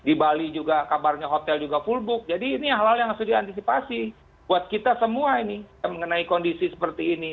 dan di di bali juga kabarnya hotel juga full book jadi ini hal hal yang harus diantisipasi buat kita semua ini mengenai kondisi seperti ini